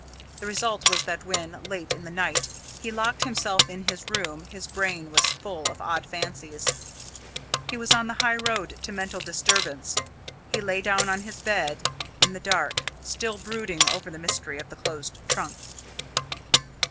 The result was that when, late in the night, he locked himself in his room his brain was full of odd fancies; he was on the high road to mental disturbance. He lay down on his bed in the dark, still brooding over the mystery of the closed trunk.